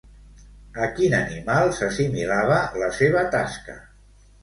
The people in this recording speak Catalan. A quin animal s'assimilava la seva tasca?